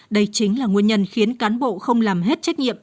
đây chính là nguyên nhân khiến cán bộ không làm hết trách nhiệm